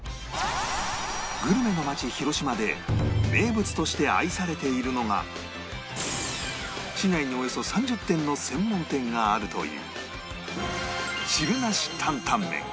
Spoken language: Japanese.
グルメの街広島で名物として愛されているのが市内におよそ３０店の専門店があるという